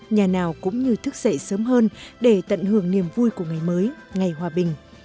nhà nào cũng như thức dậy sớm hơn để tận hưởng niềm vui của ngày mới ngày hòa bình